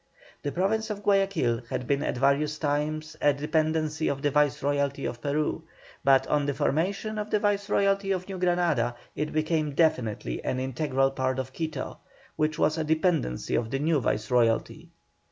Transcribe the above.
The Province of Guayaquil had been at various times a dependency of the Viceroyalty of Peru, but on the formation of the Viceroyalty of New Granada it became definitely an integral part of Quito, which was a dependency of the new Viceroyalty.